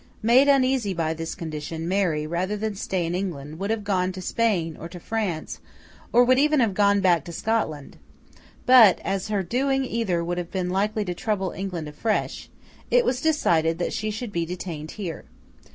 Made uneasy by this condition, Mary, rather than stay in England, would have gone to Spain, or to France, or would even have gone back to Scotland. But, as her doing either would have been likely to trouble England afresh, it was decided that she should be detained here.